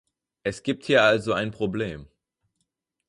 Es gibt hier also ein Problem.